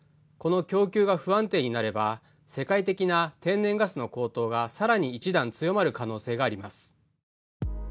この供給が不安定に出れば世界的な天然ガスの高騰が更に一段強まる可能性があります。